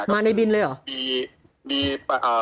มาในบินเลยเหรอ